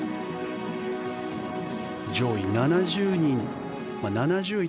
上位７０位